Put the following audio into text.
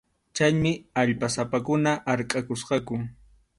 Chaymi allpasapakuna harkʼakusqaku.